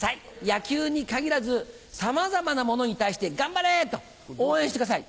野球に限らずさまざまなものに対して「頑張れ！」と応援してください。